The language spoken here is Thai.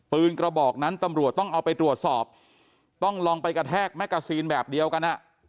กระบอกนั้นตำรวจต้องเอาไปตรวจสอบต้องลองไปกระแทกแมกกาซีนแบบเดียวกันอ่ะ